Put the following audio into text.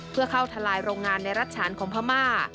เพื่อเข้าทลายโรงงานในรัฐฉานของพม่า